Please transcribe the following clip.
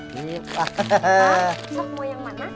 cok mau yang mana